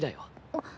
あっ。